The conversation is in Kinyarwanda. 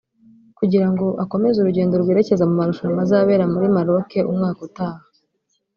kugira ngo akomeze urugendo rwerekeza mu marushanwa azabera muri Maroke umwaka utaha